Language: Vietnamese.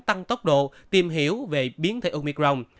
tăng tốc độ tìm hiểu về biến thể omicron